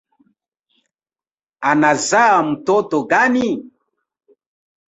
Anzaa mtoto gani?